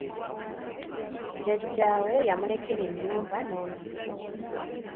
Jjjajja we yamulekera ennyumba n'olusuku.